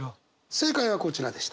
正解はこちらです。